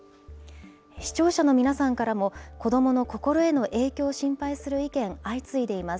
視聴者の皆さんからも、子どもの心への影響を心配する意見、相次いでいます。